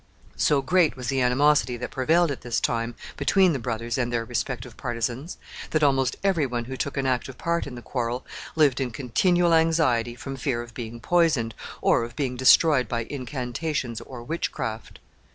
So great was the animosity that prevailed at this time between the brothers and their respective partisans, that almost every one who took an active part in the quarrel lived in continual anxiety from fear of being poisoned, or of being destroyed by incantations or witchcraft.